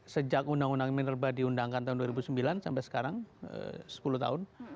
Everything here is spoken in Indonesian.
sejak undang undang minerba diundangkan tahun dua ribu sembilan sampai sekarang sepuluh tahun